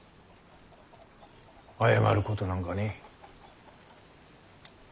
謝ることなんかねぇ。